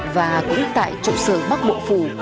và cũng tại trụ sở bắc bộ phủ